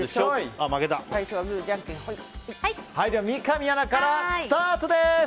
三上アナからスタートです！